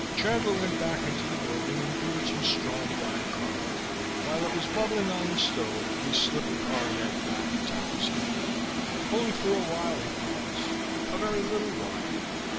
Chandler went back into the building and brewed some strong black coffee. While it was bubbling on the stove he slipped the coronet back atop his head. Only for a while, he promised. A very little while.